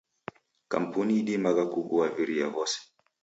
Kampuni idimagha kugua viria vose.